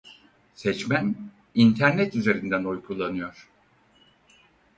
Seçmen internet üzerinden oy kullanıyor.